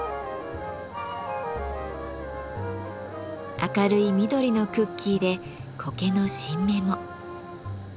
明るい緑のクッキーで苔の新芽も。